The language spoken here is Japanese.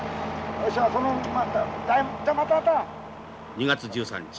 ２月１３日。